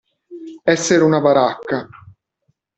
Essere una baracca.